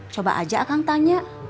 coba aja akang tanya